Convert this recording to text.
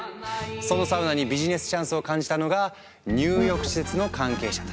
そのサウナにビジネスチャンスを感じたのが入浴施設の関係者たち。